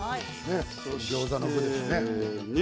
ギョーザの具ですね。